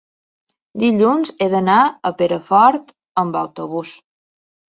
dilluns he d'anar a Perafort amb autobús.